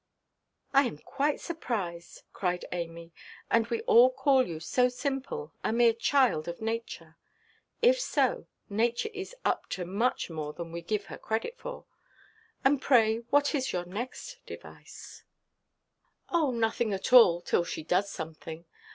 "I am quite surprised," cried Amy; "and we all call you so simple—a mere child of nature! If so, nature is up to much more than we give her credit for. And pray, what is your next device?" "Oh, nothing at all, till she does something.